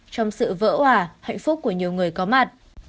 trong sự vỡ hỏa hạnh phúc của nhiều người có mặt